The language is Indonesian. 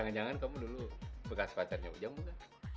jangan jangan kamu dulu bekas pacarnya ujang udah